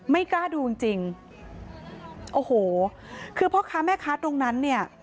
กล้าดูจริงจริงโอ้โหคือพ่อค้าแม่ค้าตรงนั้นเนี่ย